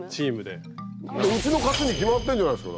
うちの勝ちに決まってんじゃないすか。